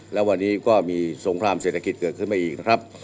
แล้ววันนี้ก็มีสงครามเศรษฐกิจเกิดขึ้นมาอีกนะครับ